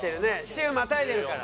週またいでるから。